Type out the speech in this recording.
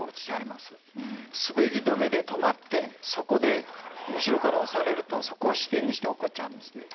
すべり止めで止まってそこで後ろから押されるとそこを支点にして落っこっちゃうんですね。